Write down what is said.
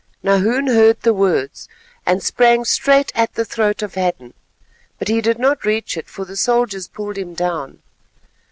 Nahoon heard the words, and sprang straight at the throat of Hadden; but he did not reach it, for the soldiers pulled him down.